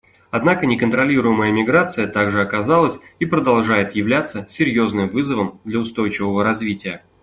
Однако неконтролируемая миграция также оказалась и продолжает являться серьезным вызовом для устойчивого развития.